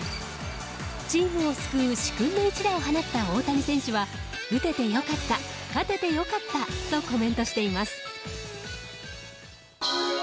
チームを救う殊勲の一打を放った大谷選手は打てて良かった、勝てて良かったとコメントしています。